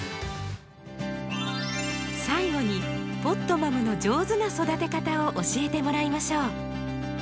最後にポットマムの上手な育て方を教えてもらいましょう。